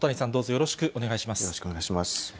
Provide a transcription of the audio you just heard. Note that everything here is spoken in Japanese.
よろしくお願いします。